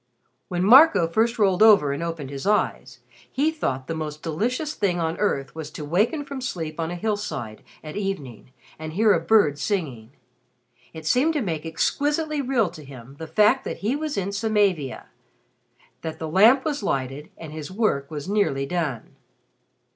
When Marco first rolled over and opened his eyes, he thought the most delicious thing on earth was to waken from sleep on a hillside at evening and hear a bird singing. It seemed to make exquisitely real to him the fact that he was in Samavia that the Lamp was lighted and his work was nearly done.